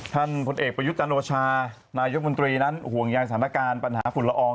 ผลเอกประยุทธ์จันโอชานายกมนตรีนั้นห่วงยางสถานการณ์ปัญหาฝุ่นละออง